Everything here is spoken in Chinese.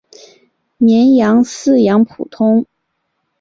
绵羊饲养普通。